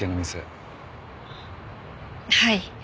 はい。